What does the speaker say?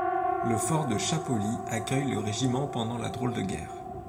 Le fort de Chapoly accueille le régiment pendant la Drôle de guerre.